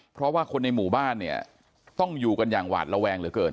เพราะว่าคนในหมู่บ้านเนี่ยต้องอยู่กันอย่างหวาดระแวงเหลือเกิน